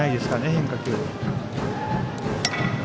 変化球は。